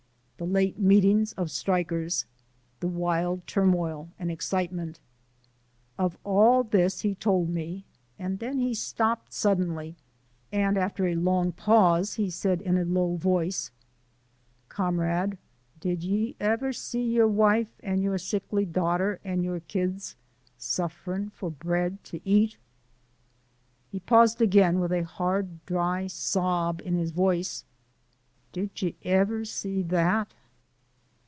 the late meetings of strikers, the wild turmoil and excitement. Of all this he told me, and then he stopped suddenly, and after a long pause he said in a low voice: "Comrade, did ye ever see your wife and your sickly daughter and your kids sufferin' for bread to eat?" He paused again with a hard, dry sob in his voice. "Did ye ever see that?"